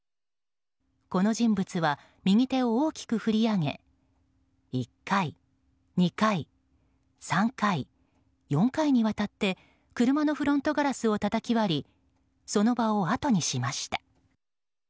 この人物は右手を大きく振り上げ１回、２回、３回４回にわたって車のフロントガラスをたたき割りその場をあとにしました。